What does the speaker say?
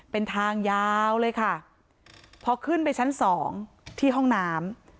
เป็นทางยาวเลยค่ะพอขึ้นไปชั้นสองที่ห้องน้ำ